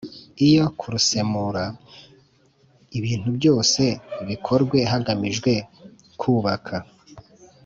Iyo kurusemura d ibintu byose bikorwe hagamijwe kubaka